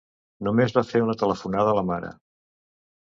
Només va fer una telefonada a la mare.